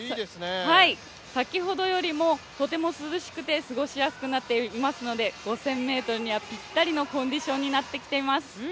先ほどよりもとても涼しくて、過ごしやすくなっていますので、５０００ｍにはぴったりのコンディションになってきています。